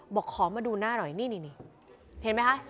บอกขอมาดูหน้าหน่อยนี่เห็นไหมคะ